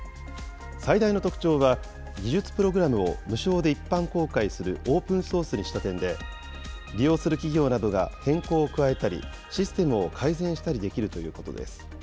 最大の特徴は、技術プログラムを無償で一般公開するオープンソースにした点で、利用する企業などが変更を加えたり、システムを改善したりできるということです。